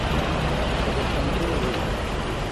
که د سندرو وي.